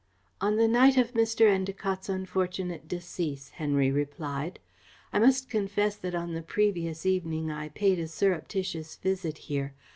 "On the night of Mr. Endacott's unfortunate decease," Henry replied. "I must confess that on the previous evening I paid a surreptitious visit here.